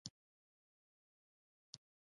د جاپان غبرګون بیا د لوېدیځې اروپا په څېر و.